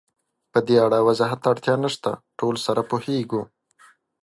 پدې اړه وضاحت ته اړتیا نشته، ټول سره پوهېږو.